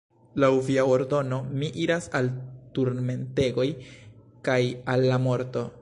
Laŭ via ordono mi iras al turmentegoj kaj al la morto!